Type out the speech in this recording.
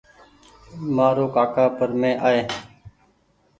مآ رو ڪآڪآ پرمي آئي